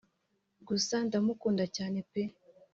gusa ndamukunda cyane pe